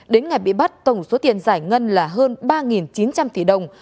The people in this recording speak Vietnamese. đến ngày bị bắt tổng số tiền giải ngân là hơn ba chín trăm linh tỷ đồng